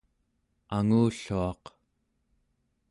angulluaq